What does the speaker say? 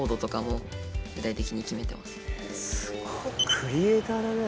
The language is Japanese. クリエーターだねえ